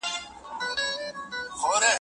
کندارۍ ملالې ته خبره نه یې